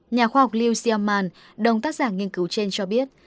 nhà khoa học liu xiaoman đồng tác giả nghiên cứu trên cho biết